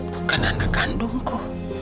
bukan anak kandungku